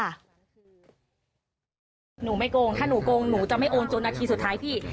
หนูไม่โกงถ้าหนูโกงหนูจะไม่โอนจนนาทีสุดท้ายพี่